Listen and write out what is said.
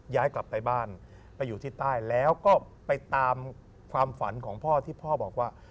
ย้ายกลับไปบ้านไปอยู่ที่ใต้แล้วก็ไปตามความฝันของพ่อที่พ่อบอกว่า